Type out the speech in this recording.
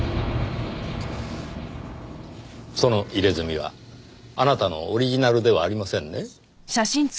その入れ墨はあなたのオリジナルではありませんね？